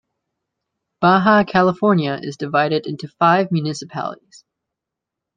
Baja California is divided into five municipalities.